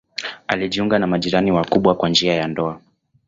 Alijiunga na majirani wakubwa kwa njia ya ndoa.